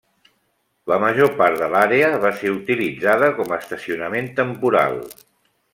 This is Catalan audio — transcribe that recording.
La major part de l'àrea va ser utilitzada com a estacionament temporal.